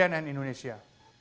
tim liputan cnn indonesia